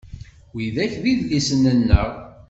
Widak d idlisen-nneɣ.